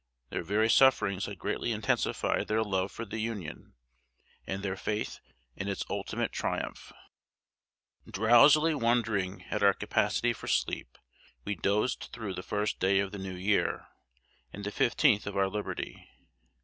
Their very sufferings had greatly intensified their love for the Union, and their faith in its ultimate triumph. Drowsily wondering at our capacity for sleep, we dozed through the first day of the New Year, and the fifteenth of our liberty.